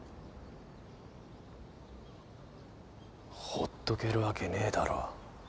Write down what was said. ほっとけるわけねえだろ。